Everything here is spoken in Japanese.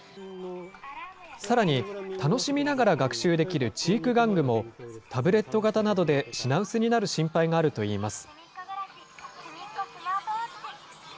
さらに、楽しみながら学習できる知育玩具も、タブレット型などで品薄になる心配があるといいます。